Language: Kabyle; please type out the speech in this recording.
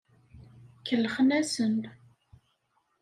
Kellxen-asen.